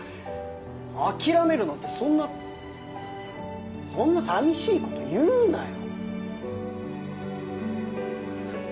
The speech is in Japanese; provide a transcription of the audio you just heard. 諦めるなんてそんなそんな寂しいこと言うなよ！